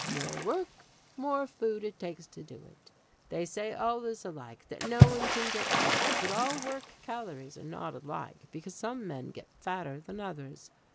"More work, more food it takes to do it. They say all is alike, that no one can get fat. But all work calories are not alike because some men get fatter than others.